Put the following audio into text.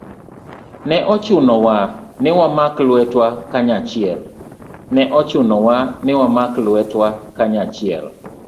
Ne ochunowa ni wamak lwetwa kanyachiel